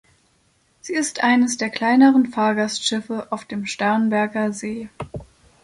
Sie ist eines der kleineren Fahrgastschiffe auf dem Starnberger See.